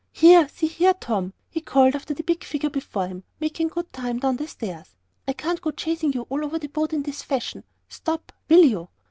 "Here see here, Tom!" he called to the big figure before him, making good time down the stairs. "I can't go chasing you all over the boat in this fashion. Stop, will you?"